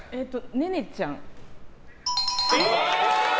ネネちゃん。